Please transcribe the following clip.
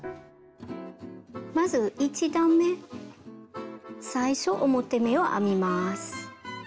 まず１段め最初表目を編みます。